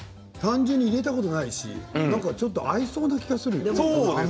単純に入れたことないし何かちょっと合いそうな気がするよね。